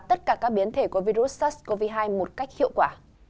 tất cả các biến thể của virus sars cov hai một cách hiệu quả